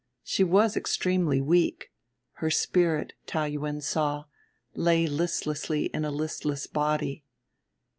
She was extremely weak; her spirit, Taou Yuen saw, lay listlessly in a listless body.